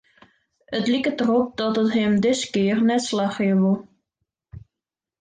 It liket derop dat it him diskear net slagje wol.